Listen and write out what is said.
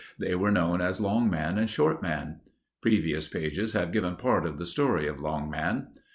They were known as Long Man and Short Man. Previous pages have given part of the story of Long Man.